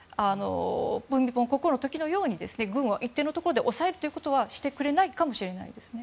プミポン国王の時のように軍を一定のところで抑えるということはしてくれないかもしれないです。